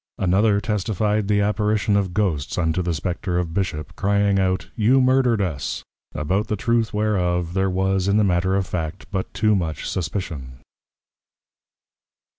Another testifi'd, the Apparition of Ghosts unto the Spectre of Bishop, crying out, You Murdered us! About the Truth whereof, there was in the Matter of Fact but too much suspicion.